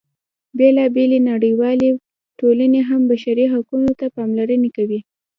بېلا بېلې نړیوالې ټولنې هم بشري حقونو ته پاملرنه کوي.